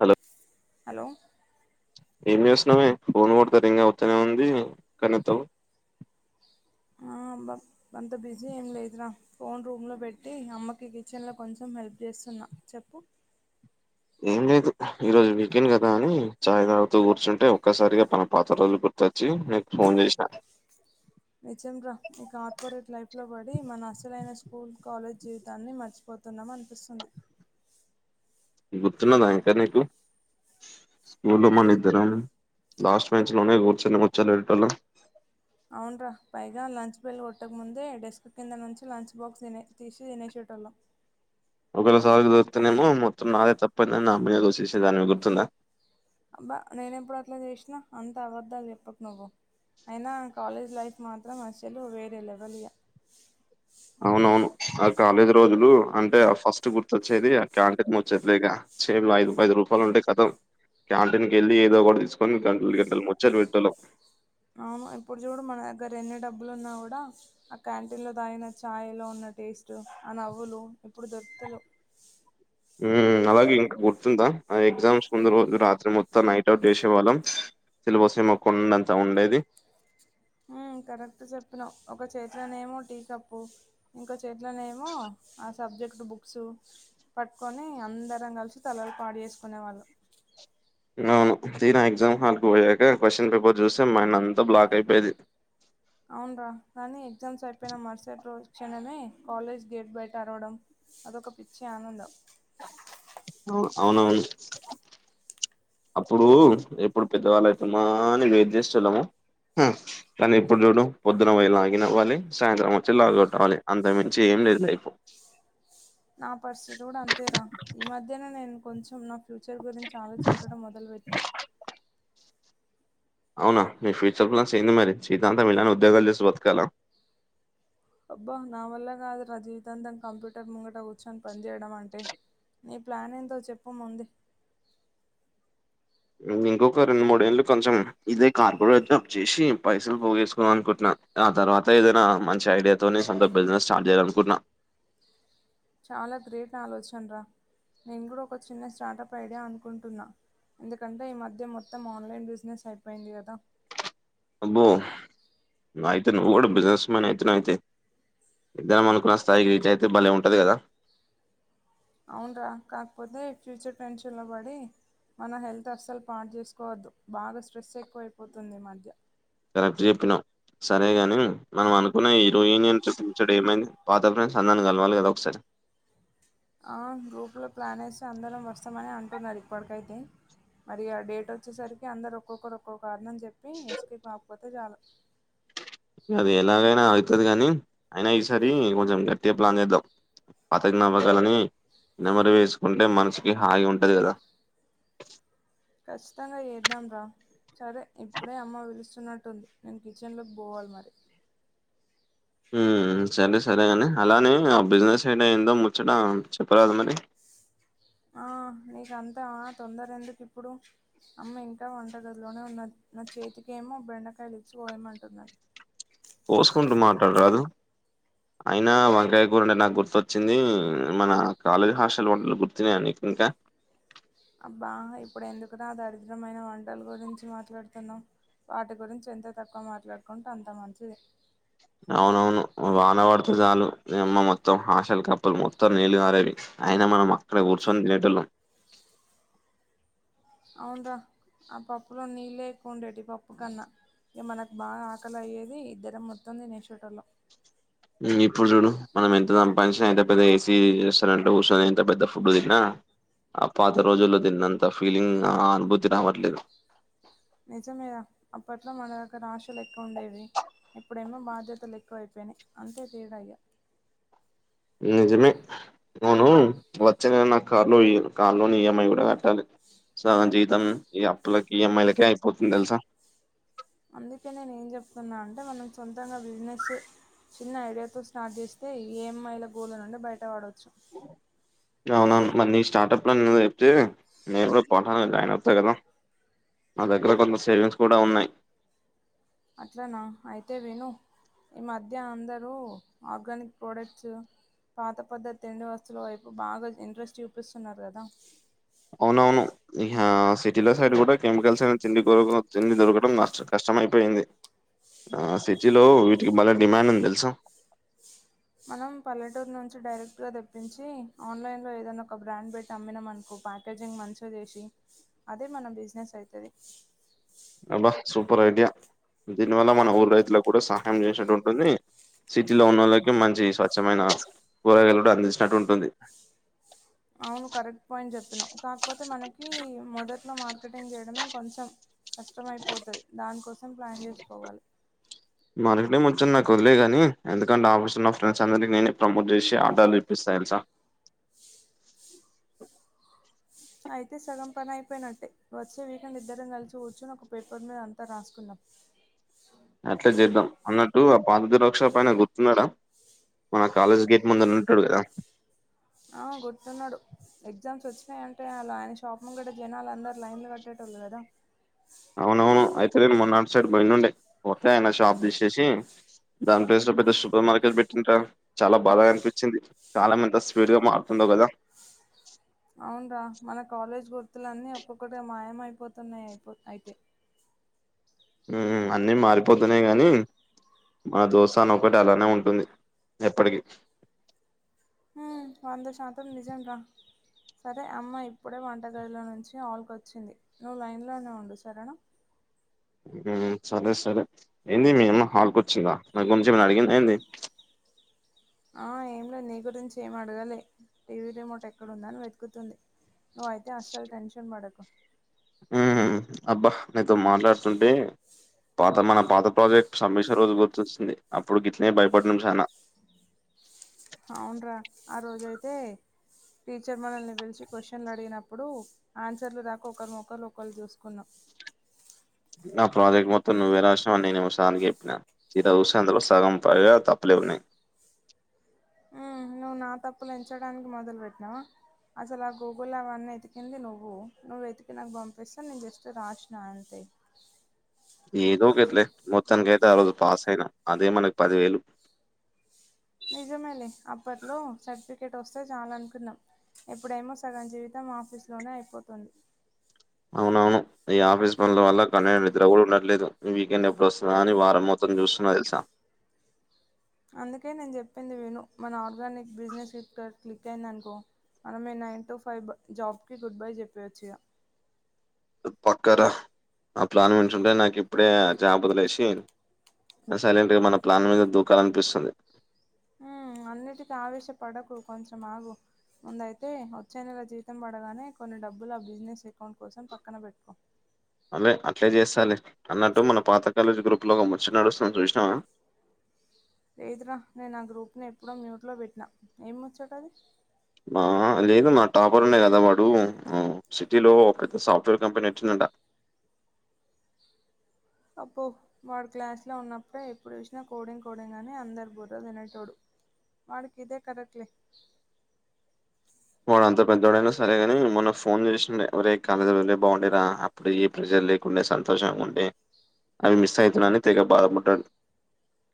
Hello hello ఏం చేస్తున్నావే phone కూడా రింగ్ అవుతూనే ఉంది ఎత్తనే ఎత్తవు అంబాబ్ అంత బిజీ ఏం లేదురా ఫోన్ రూమ్ లో పెట్టి అమ్మకి కిచెన్ లో కొంచెం హెల్ప్ జేసున్ నా చెప్పు ఏం లేదు. ఈ రోజు వీకెండ్ కదా అని చాయ్ తాగుతూ కూర్చుంటే, ఒక్కసారిగా పన పాత రోజులు గుర్త్ తోచ్చి మీకు ఫోన్ జేశనా. నిజంరా ఈ కార్పొరేట్ లైఫ్ లో పడి మన అస్సలైన స్కూల్ కాలేజ్ జీవితాన్ని మర్చిపో అతున్నాం అనిపిసుంది. గుర్తున్నదా ఇంకా నీకు స్కూల్లో మనిద్దరం లాస్ట్ బెచ్ లోనే కూర్చొని ముచ్చట్లు వేటేటోళం. అవున్రా పైగా లంచ్ బెల్ కొట్టకముందే డెస్క్ కింద నుంచి లంచ్ బాక్స్ తినే తీషి ఇనెషేటోళం. ఒకేవేల సార్కి దొర్కుతానేమో, మొత్తం నాదే తప్పంతా నా మీదే దోసేసా దానివి గుర్తుందా. అబ్బా నేను ఎప్పుడు అట్లా జేశనా అంత అవదాలు జేప్పకు నువ్వు అయినా కాలేజ్ లైఫ్ మాత్రం అసలు వేరే లెవెల్ ఇయా అవునవును ఆ కాలేద్ రోజులు అంటే, ఫస్ట్ గుర్తొచ్చేది ఆ క్యాంటీన్ ముచ్చట్లేగా. చేవివ్ ఐదు పద్ రూపాయలు ఉంటే కతావ్ క్యాంటీన్ కెళ్ళి ఏదో ఒకడ్ దిసుకొని గంటలు గంటలు ముచ్చట్లు వేటటోళం అవును ఇప్పుడు జుడు మన దగ్గర ఎన్ని డబ్బులు ఉన్నా గూడా ఆ క్యాంటీన్ లో దాగిన చాయ లో ఉన్న ఆ టెస్టు ఆ నవ్వులు ఇప్పుడు దొరుకుతలేవు ఉహ్ అలాగే ఇంకా గుర్తుందా ఆ ఎగ్జామ్స్ ముందు రోజు రాత్ త్రి మొత్తం నైట్ అవుట్ జెశేవాళ్ళం సిలబసేమో కొండంతా ఉండేది. హు కరెక్ట్ జేపినవ్ ఒక చేతులానేమో టీ కప్పు, ఇంకో చేతులానేమో ఆ సబ్జెక్ట్ బుక్సు పట్టుకొని అందరం కలిసి తలలు పాడు ఏసుకునే వాళ్ళం. నావును తీరా ఎగ్జామ్ హాల్ కు ఓయకా క్వశ్చన్ పేపర్ జుస్తే మైండ్ అంతా బ్లాక్ అయపేయేది. అవున్రా కానీ ఎగ్జామ్స్ అయిపోయినా మరుసటి రోజ్ క్షణమే కాలేజ్ గేట్ బయట అరవడం అదొక పిచ్చి ఆనందం. అవును. అవునవును. అప్పుడు ఎప్పుడు పెద్దవాళ్ళ అయితమా అని వెయిట్ జేశోలము. కానీ ఇప్పుడు జుడు పొద్దున ఓయి లాగిన్ అవాలి సాయంత్రం వచ్చి లాగ్ అవుట్అవాలి అంతమించ్ లేద్ లైఫో నా పరిస్థితి కూడా అంతేరా ఈ మధ్యనే నేన్ కొంచెం నొప్ ఫ్యూచర్ గురించి ఆలోచించడం మొదల్ వెటన్య అవునా మీ ఫ్యూచర్ మరి సీతాంతం ఇలానే ఉద్యోగాలు చేసి బతకాల అబ్బా నా వల్ల కాదు రా జీవితాంతం కంప్యూటర్ ముంగట కూర్చొని పనిజేయడం అంటే నీ ప్లాన్ చెప్ప ముందే ఇగ్ ఇంకొక రెండు మూడేళ్ళు కొంచెం ఇదే కార్పొరేతమ్ చేసి పైసలు పోగేసుకున్నం అనుకున్నా ఆ తర్వాత ఏదైనా మంచి ఐడియాతోనీ సొంత బిజినెస్ స్టార్ట్ జేయాలనుకుంట్నా చాలా గ్రేట్ ఆలోచనరా నేను కూడా ఒక చిన్న స్టార్టప్ ఐడియా అనుకుంటున్నా. ఎందుకంటే ఈ మధ్య మొత్తం ఆన్లైన్ బిజినెస్ అయిపోయింది గదా అబ్బో నాయితే నువ్ గూడా బిజినెస్ మ్యాన్ అయితున్నావ్ నాయితే ఇద్దరం అనుకున్న స్థాయికి రిచ్ అయితే బలే ఉంటది గదా. అవున్ రా కాకపోతే ఫ్యూచర్ టెన్షన్ లో వడి మన హెల్త్ అస్సలు పాడ్ జేసుకోవద్దు బాగా స్ట్రెస్ ఎక్కువైపోతుంది ఈ మధ్య కరెక్ట్ జేప్పినవ్ సరే గాని మనం అనుకున్న ఈరోయింగ్ ఇంట్రెస్ ఏమైంది. పాత ఫ్రెండ్స్ అందర్న్ కలవాలిగా ఒకసారి ఆ గ్రూప్లో ప్లాన్ ఏసి అందరం వసమని అంటున్నారు ఇప్పటికైతే. మరి ఆ డేట్ వచ్చేసరికి అందరు ఒక్కొక్కరు ఒక్కో కారణం చెప్ నేను ఎస్ కే బాపత్ గాల్ అది ఎలాగైనా అయితది కాని అయినా ఈసారి కొంచెం గట్టిగా ప్లాన్ ఏద్దాం పత జ్ఞాపకాలనీ నెమరు వేసుకుంటే మనసుకి హాయి గా ఉంటది కదా ఖచ్చితంగా ఏద్దాం రా సరే ఇప్పుడే అమ్మ పిలుస్తున్నట్టుంది నేను కిచెన్లోకి పోవాలి మరి ఉ సరే సరే అని అలానే ఆ బిజినెస్ అయిన ఏందో ముచ్చట చెప్పరాదు మరి ఆ నీకంతా తొందర ఎందుకు ఇప్పుడు అమ్మ ఇంకా వంట గదిలోనే ఉన్నది నా చేతికి ఏమో బెండకాయలు ఇచ్చి పోయమంటు ఉన్నాయి పోసుకుంటూ మాట్లాడరాదు అయినా వంకయ్య కూర అంటే నాకు గుర్తొచ్చింది మన కాలేజ్ హాస్టల్ వంటలు గుర్తినేయ నీకు ఇంకా అబ్బా ఇప్పుడు ఎందుకు రా దరిద్రమైన వంటలు గురించి మాట్లాడుతున్నావు వాటి గురించి ఎంతో తక్కువ మాట్లాడుకుంటే అంత మంచిది అవునవును వానవాడుతే చాలు నీయమ్మ మొత్తం హాషల్ కప్పల్ మొత్తం నీళ్లు కరెవి అయిన మనం అక్కడే కూర్చొని తినేటోళ్ళం అవును రా ఆ పప్పులో నీళ్ళే ఎక్కువ ఉండేటి పప్పు కన్నా ఇక మనకు బాగా ఆకలి అయ్యేది ఇద్దరం మొత్తం తినేశేటోళ్ళం ఉ ఇప్పుడు చూడు మనం ఎంత సంపాదించిన ఎంత పెద్ద ఏసీ రెస్టారెంట్ లో కూసోని ఎంత పెద్ద ఫుడ్ తిన్నా ఆ పాత రోజుల్లో దీన్నంత ఫీలింగ్ ఆ అనుభూతి రావట్లేదు నిజమే రా అప్పట్లో మన దగ్గర ఆశలు ఎక్కువ ఉండేవి ఇప్పుడేమో బాధ్యతలు ఎక్కువ అయిపోయినాయి అంతే తేడా ఇగ నిజమే అవును వచ్చే నెల నా కార్లో ఇయ్ కార్లోని ఈఎంఐ కూడా కట్టాలి సగం జీతం ఈ అప్పులకి ఈఎంఐలకే అయిపోతుంది తెలుసా అందుకే నేను ఏం చెప్తున్నా అంటే మనం సొంతంగా బిజినెస్ చిన్న ఐడియాతో స్టార్ట్ చేస్తే ఈఎంఐ ల గోల నుండి బయట వాడవచ్చు అ అవునువును మరి నీ స్టార్ట్ప్ లో చెప్తే నేను కూడా పోటాను జాయిన్ అవుతా కదా నా దగ్గర కొంత సేవింగ్స్ కూడా ఉన్నాయి అట్లనా అయితే విను ఈ మధ్య అందరూ ఆర్గానిక్ ప్రోడక్ట్స్ పాత పద్ధతి తిండి వస్తువుల వైపు బాగా ఇంట్రెస్ట్ చూపిస్తున్నారు కదా అవునవును నిహ సిటీలో సైడ్ కూడా కెమికల్స్ అ తిండి బో బో తిండి దొరకడం మస్తు కష్టం మయిపోయింది ఆ సిటీలో వీటికి బాలే డిమాండ్ ఉంది తెలుసా మనం పల్లెటూరు నుంచి డైరెక్ట్ గా తెప్పించి ఆన్లైన్ లో ఏదైనా ఒక బ్రాండ్ పెట్టి అమ్మినాం అనుకో ప్యాకేజింగ్ మంచిగా చేసి అదే మన బిజినెస్ అయితది అబ్బా సూపర్ ఐడియా దీని వల్ల మన ఊరు రైతులకు కూడా సహాయం చేసినట్టు ఉంటుంది సిటీలో ఉన్నళ్ళకి మంచి స్వచ్ఛమైన కూరగాయలు కూడా అందించినట్టు ఉంటుంది అవును కరెక్ట్ పాయింట్ ఇంట్లో మార్కెటింగ్ చేయడమే కొంచెం కష్టంమైపోతది దానికోసం ప్లాన్ చేసుకోవాలి మా నిగిటిని ముంచే నాకు వదిలేగానీ ఎందుకంటే ఆల్మోస్ట్ నా ఫ్రెండ్స్ అందరికి నేనే ప్రమోట్ చేసి ఆడర్లు ఇప్పిస్తా ఎలుసా అయితే సగం పని అయిపోయినట్టే వచ్చే వీకెండ్ ఇద్దరం కలిసి కూర్చొని ఒక పేపర్ మీద అంతా రాసుకుందాం అట్లే చేద్దాం అన్నట్టు ఆ పాత జిరాక్స్ షాప్ అయినా గుర్తు ఉన్నడా మన కాలేజ్ గేట్ ముందన్న ఉంటాడు కదా ఆ గుర్తున్నాడు ఎగ్జామ్స్ వచ్చినాయంటే చాలు ఆయన షాప్ ముందు జనాళ్లు అందరు లైన్లు కట్టేటోళ్లు కదా అవునవును అయితే నేను మొన్నా అటు సైడ్ పోయినుండే పోతే ఆయన షాప్ తీసేసి దాని ప్లేస్ లో పెద్ద సూపర్ మార్ ర్కెట్ పెట్టిన్ర ఉంటారు చాలా బాధ అనిపించింది కాలం ఎంత స్పీడ్ గా మారుతుందో కదా అవున రా మన కాలేజ్ గుర్ ర్క్తులన్నీ ఒక్కొక్కటి మాయమయిపోతున్నాయి అయిపో అయితే ఉ అన్ని మారిపోతున్నాయి గాని మా దోస్తానా ఒకటి అలానే ఉంటుంది ఎప్పటికి హు వంద శాతం నిజం రా సరే అమ్మ ఇప్పుడే వంటగదిలో నుంచి ఆల్కకోచ్చింది నువ్వు లైన్లోనే ఉండు సరేనా సరే సరే ఏంది మీ అమ్మ హాల్కి వచ్చిందా నా గురించి ఏమైనా అడిగిందా ఏంది ఆ ఏం లేదు నీ గురించి ఏమి అడగాలే టీవీ రిమోట్ ఎక్కడుందని వెతుకుతుంది నువ్వు అయితే అసలు టెన్షన్ పడకు ఉ అబ్బా నీతో మాట్లాడుతుంటే పాత మన పాత ప్రాజెక్టు సమిష రోజు గుర్తొచ్చింది అప్పుడు గిట్నే భయపడిన చాన అవున్రా ఆ రోజయితే టీచర్ మనల్ని పిలిచి క్వశ్చన్లు అడిగినప్పుడు ఆన్సర్లు రాకా ఒకరి మోకాలు ఒకలు చూసుకున్నాం నా ప్రాజెక్ట్ మొత్తం నువ్వే రాసినవ్ నేనేమో సార్ కు చెప్పిన సీదా చుస్తే అంత సగం ప తప్పలే ఉన్నాయి మ్మ్ నువ్వు నా తప్పులు ఎంచడానికి మొదలుపెట్టినవా అసలు ఆ గూగుల్ అవన్నీ ఎతికింది నువ్వు నువ్వు వెతికి నాకు పంపిస్తే నేను జస్ట్ రాసిన అంతే ఏదో ఒకట్లే మొత్తానికి అయితే ఆ రోజు పాస్ అయినా అదే మనకి పదివేలు నిజమే లే అప్పట్లో సర్టిఫికేట్ వస్తే చాలా అనుకున్నా ఎప్పుడేమో సగం జీవితం ఆఫీస్ లోనే అయిపోతుంది అవునవును ఈ ఆఫీస్ పనుల వల్ల కడ్లకి నిద్ద్ర కూడా ఉండట్లేదు వీకెండ్ ఎప్పుడు వస్తదా అని వారం మొత్తం చూస్తు నా తెల్సా అందుకే నేను చెప్పింది విను మన ఆర్గానిక్ బిజినెస్ క్లిక్ అయి అయింది అనుకో మన మేము నైన్ టు ఫైవ్ జాబ్ కి గుడ్ బై చెప్పేయోచ్చు ఇగ పక్కరా ఆ ప్లాన్ మంచుంటే నాకు ఇప్పుడే జాబ్ వదిలేసి సైలెంట్ గా మన ప్లాన్ మీద దూఖాలనిపిస్తుంది హు అన్నిటికీ ఆవేశపడకు కొంచెం ఆగు ముందైతే వచ్చే నెల జీవితం పడగానే కొన్ని డబ్బులు ఆ బిజినెస్ అకౌంట్ కోసం పక్కన పెట్టుకో అవే అట్లే చేస్తాలే అన్నట్టు మన పాత కాలేజ్ గ్రూప్ పూలో ఒక ముచ్చటనడుస్తుంది చూసినవా లేదురా నేను ఆ గ్రూప్ని ఎప్పుడో మ్యూట్లో పెట్టినా ఏం ముచ్చాట అది ఆ లేదు మన టాపర్ ఉండే కదా వాడు సిటీలో పెద్ద సాఫ్ట్వేర్ కంపెనీ వచ్చిందంటా అబ్బో వాడు క్లాస్లో ఉన్నప్పుడే ఎప్పుడు చూసినా కోడింగ్ కోడింగ్ అని అందరు బుర్ర తినేటోడు వాడికిదే కరెక్ట్ లే వాడు అంత పెద్దోడైనా సరేగాని మొన్న ఫోన్ చేసిండే ఒరేయి కాలాజ్ రోజులే బాగుండేరా అప్పుడు ఏ ప్రెషర్ లేకుండే సంతోషంగా ఉంటే అవి మిస్ అవుతున్నా అని తెగ బాధపడ్డాడు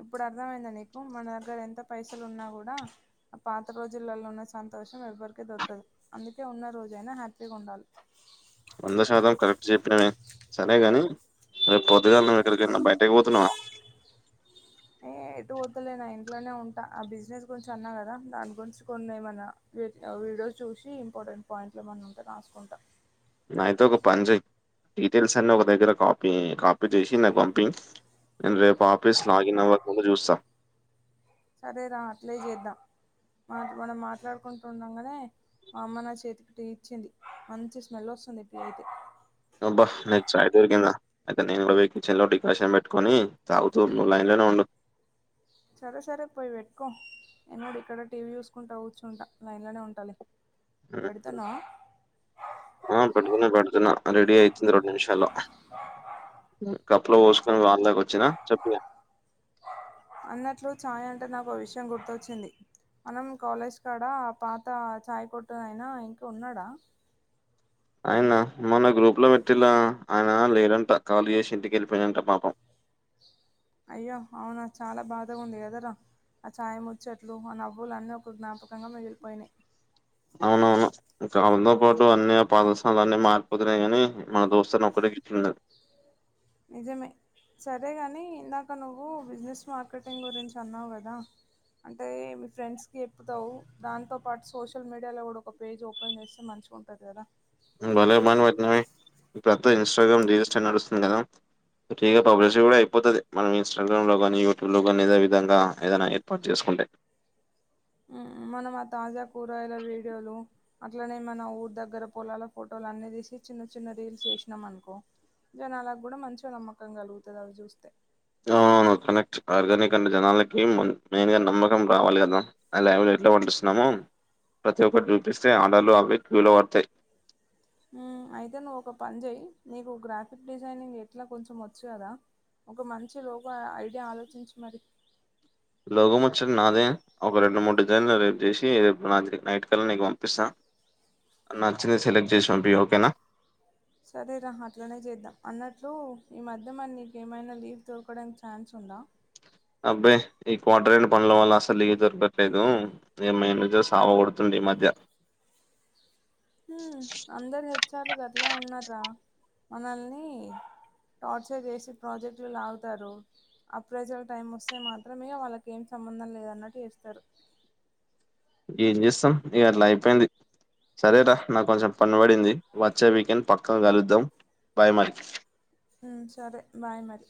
ఇప్పుడు అర్థమయిందా నీకు మన దగ్గర ఎంత పైసలు ఉన్నా కూడా ఆ పాత రోజులలో ఉన్న సం తోషం ఎవ్వరికే దొరకదు అందుకే ఉన్న రోజైనా హ్యాపీగా ఉండాలి వంద శాతం కరెక్ట్ చెప్పినవే సరే గాని రేపు పొద్దుగాల నువ్ ఎక్కడికైనా బయటకి పోతున్నావా ఏ ఎటు వద్దులే నా ఇంట్లోనే ఉంటా ఆ బిజినెస్ గురించి అన్నా కదా దాని గురించి కొన్ని ఏమన్నా వే వీడియోస్ చూసి ఇంపార్టెంట్ పాయింట్లు ఏమైన్నా ఉంటే రాసుకుంటా అయితే ఒక పనిచెయ్ డీటెయిల్స్ అన్ని ఒక దగ్గర కాపీ కాపీ చేసి నాకు పంపి రేపు ఆఫీస్ లాగిన్ అవ్వకముందు చూస్తా సరే రా అట్లే చేద్దాం మా మనం మాట్లాడుకుంటూ ఉన్నాంగానే మా అ మ్మ నా చేతికి టీ ఇచ్చింది మంచి స్మెల్ వస్తుంది టీ అయితే అబ్బా నీకి ఛాయ్ దొరికిందా అయితే నేను కూడా పోయి కిచెన్ లో డికాషన్ పెట్టుకొని తాగుతూ లైన్ లో లొ ఉండు సరే సరే పోయి పెట్టుకో నేను గుడా ఇక్కడ టీవీ చూసుకుంటా కుచుంటా లైన్ లోనే ఉంటలే ఉమ్. పెడతన్నావ ఆ పేడుతున్న పేడుతున్న రెడి అయితుంది రెండు నిమిషల్లో కప్పులో పోసుకొని వాళ్ళ దాక వచ్చినా చెప్పిన అన్నట్లు ఛాయ్ అంటే నాకు విషయం గుర్తొచ్చింది మనం కాలేజ్ కాడ పాత చాయ్ కొట్టు అయనా ఇంకా ఉన్నాడా ఆయన మొన్న గ్రూప్ లో పెట్టిల్ల ఆయన లేడంట కాలీ చేసి ఇంటికెళ్ళిపోయిందంట పాపం అయ్యో అవునా చాలా బాధగా ఉంది కాదరా ఆ ఛాయ్ ముచ్చట్లు అ నవ్వులున్నీ ఒక జ్ఞాపకంగా మిగిలిపోయినాయి అవునవును కాలంతో పాటు అన్ని ఆ పాదశలు అన్నీ మారిపోతున్నాయి కాని మన దోస్తుని ఒక్కటిక ఇట్లున్నది నిజమే సరే కాని ఇందాక నువ్వు బిజినెస్ మార్కెటింగ్ గురించి అన్నావ్ కదా అంటే మీ ఫ్రెండ్స్ కి చెప్పుతావు దాంతో పాటు సోషల్ మీడియాలో కూడా ఒక పేజ్ ఓపెన్ చేస్తే మంచి చిగా ఉంటది కదా బలే బాగా పట్టినవే ఇప్పుడు అందరు ఇన్స్టాగ్రామ్ రీల్స్ పై నడుస్తుంది కదా చేయాగా పబ్లిసిటీ కూడా అయిపోతది మనం ఇన్స్టాగ్రామ్ లో కాని యూట్యూబ్ లో కాని అదే విధంగా ఏదైనా ఏర్పాటు చేసుకో ఉంటే మనం ఆ తాజా కూరగాయల వీడియోలు అట్లనే మన ఊరు దగ్గర పోలాల ఫోటోలు అన్ని తీసి చిన్న చిన్న రీల్స్ చేసినాం అనుకో జనాలకు కూడా మంచిగా నమ్మకం కలుగుతది అవి చూస్తే అవునవును. కనెక్ట్. ఆర్గానిక్ అంటే జనాలకి మెయిన్ గా నమ్మకం రావాలి కదా అ లైవ్ లో ఎట్లా పండిస్తున్నామో ప్రతి ఒక్కటి చూపిస్తే ఆర్డర్ అవి క్యూలో పడతాయి ఉ అయితే నువ్వు ఒక పని చెయ్ నీకు గ్రాఫిక్ డిజైనింగ్ ఎట్లా కొంచెం వచ్చు కదా ఒక మంచి లోగో ఐడియా ఆలోచించి మరి లోగో ముచ్చట నాదే ఒక రెండు మూడు డిజైన్లు రేపు చేసి రేపు నైట్ కల్ల నీకు పంపిస్తా నచ్చినవి సెలెక్ట్ చేసి పంపి ఓకేనా సరేరా అట్లనే చేద్దాం అన్నట్లు ఈ మధ్య మన నీకేమైనా లీవ్ దొరకోడానికి ఛాన్స్ ఉ ఉందా అబ్బే ఈ క్వార్టర్ అయిన పనుల వల్ల అసలే లీవ్ దొరకట్లేదు ఈ మేనేజర్ సావ కొడుతుంది మద్య అందరు హెచ్ ఆర్ గట్లే ఉన్నారా మనల్ని టార్చర్ చేసి ప్రాజెక్ట్లు లాగుతారు అప్రజర్ టైమ్ వస్తే మాత్రమే వాళ్ళకి ఏం సంబంధం లేదన్నట్టు చేస్తారు ఏం చేస్తాం ఇగా అట్లా అయిపోయింది సరేరా నాకు కొంచెం పని పడింది వచ్చే వీకెండ్ పక్క కలుద్దాం బాయ్ మరీ ఆ సరే బాయ్ మరి